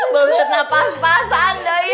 bebet nafas pasan doi